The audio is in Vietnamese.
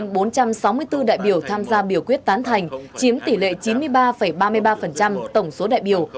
tổng số đại biểu tham gia biểu quyết tán thành chiếm tỷ lệ chín mươi ba ba mươi ba tổng số đại biểu